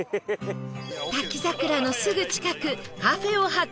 滝桜のすぐ近くカフェを発見